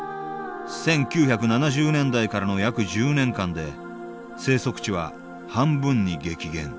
１９７０年代からの約１０年間で生息地は半分に激減。